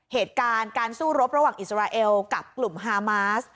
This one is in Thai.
เหตุการณ์การสู้รบระหว่างอิสราเอลกับกลุ่มฮามาส